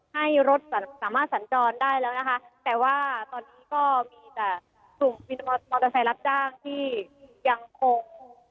ให้รถสามารถสัญจรได้แล้วนะคะแต่ว่าตอนนี้ก็มีแต่กลุ่มวินมอเตอร์ไซค์รับจ้างที่ยังคง